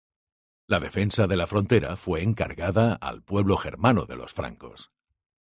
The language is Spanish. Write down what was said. La defensa de la frontera fue encargada al pueblo germano de los francos.